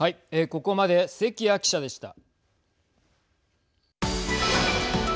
ここまで関谷記者でした。